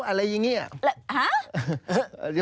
อะไรอย่างนี้